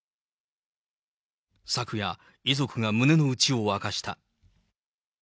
昨夜、遺族が胸の内を明かした。